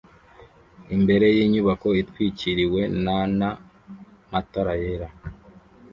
imbere y'inyubako itwikiriwe nana matara yera